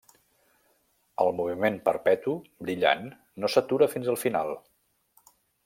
El moviment perpetu, brillant, no s'atura fins al final.